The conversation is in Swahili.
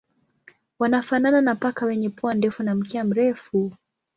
Wanafanana na paka wenye pua ndefu na mkia mrefu.